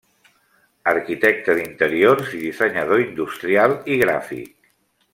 Arquitecte d'interiors i dissenyador industrial i gràfic.